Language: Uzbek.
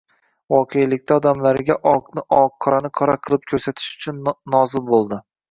voqelikda odamlarga oqni oq, qorani qora qilib ko‘rsatish uchun nozil bo‘ldi.